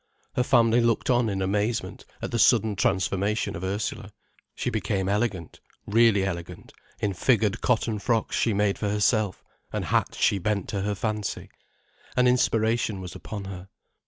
Her family looked on in amazement at the sudden transformation of Ursula. She became elegant, really elegant, in figured cotton frocks she made for herself, and hats she bent to her fancy. An inspiration was upon her.